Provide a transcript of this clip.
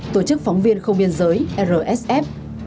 tổ chức phóng viên không biên giới rsf